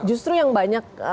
justru yang banyak